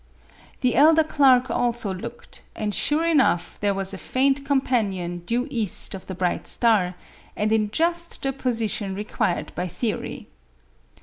The elder Clark also looked, and sure enough there was a faint companion due east of the bright star, and in just the position required by theory.